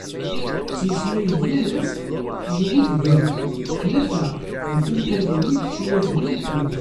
Ttmeslayen yal ass yiwet gar tlata n tantaliwin timaziɣin n tmurt.